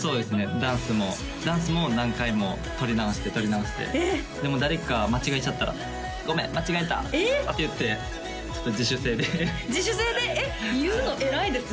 ダンスもダンスも何回も撮り直して撮り直してでも誰か間違えちゃったら「ごめん間違えた」って言ってちょっと自首制で自首制でえっ言うの偉いですね